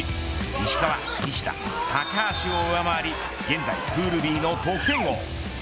石川、西田、高橋を上回り現在、プールＢの得点王。